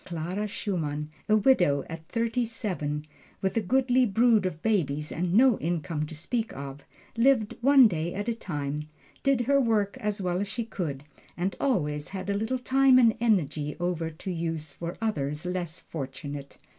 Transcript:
Clara Schumann, a widow at thirty seven, with a goodly brood of babies, and no income to speak of, lived one day at a time, did her work as well as she could, and always had a little time and energy over to use for others less fortunate.